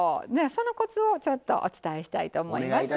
そのコツをちょっとお伝えしたいと思います。